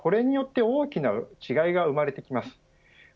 これによって大きな違いが生まれてきます。